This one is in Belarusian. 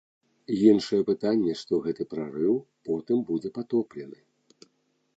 Іншае пытанне, што гэты прарыў потым будзе патоплены.